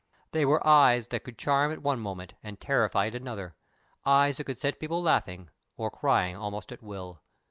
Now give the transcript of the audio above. They were eyes that could charm at one moment and terrify at another; eyes that could set people laughing or crying almost at will.